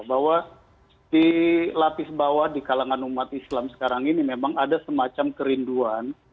bahwa di lapis bawah di kalangan umat islam sekarang ini memang ada semacam kerinduan